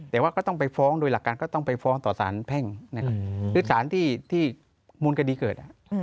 แต่ว่าก็ต้องไปฟ้องโดยหลักการก็ต้องไปฟ้องต่อสารแพ่งนะครับคือสารที่มูลคดีเกิด